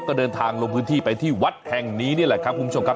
ก็เดินทางลงพื้นที่ไปที่วัดแห่งนี้นี่แหละครับคุณผู้ชมครับ